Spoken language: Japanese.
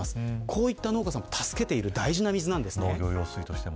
こういった農家さんを助けている大事な水です。